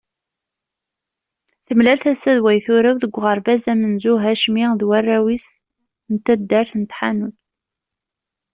Temlal tasa d way turew deg uɣerbaz amenzu Hacmi d warraw-is n taddart n Tḥanut.